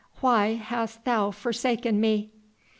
why hast thou forsaken me?'"